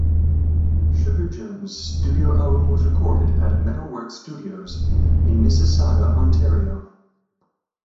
Sugar Jones studio album was recorded at Metalworks Studios in Mississauga, Ontario.